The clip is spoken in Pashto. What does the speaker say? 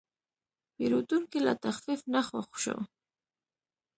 پیرودونکی له تخفیف نه خوښ شو.